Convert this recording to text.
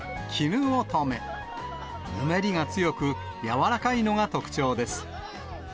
ぬめりが強く、柔らかいのが特徴です。